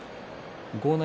豪ノ